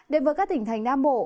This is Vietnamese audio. để với các tỉnh thành nam bộ